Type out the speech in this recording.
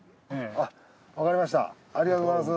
ありがとうございます。